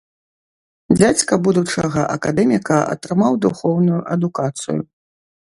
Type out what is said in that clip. Дзядзька будучага акадэміка атрымаў духоўную адукацыю.